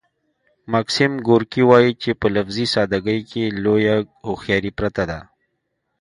ماکسیم ګورکي وايي چې په لفظي ساده ګۍ کې لویه هوښیاري پرته ده